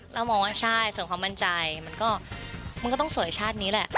เรามองว่าใช่ส่วนความมั่นใจมันก็ต้องสวยชาตินี้แหละ